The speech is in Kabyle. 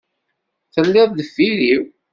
Telliḍ deffir-iw.